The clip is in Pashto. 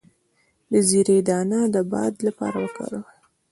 د زیرې دانه د باد لپاره وکاروئ